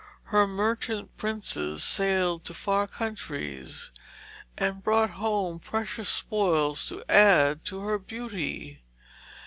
Her merchant princes sailed to far countries and brought home precious spoils to add to her beauty.